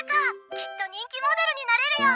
きっと人気モデルになれるよ！